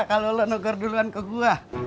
kalau lo negor duluan ke gua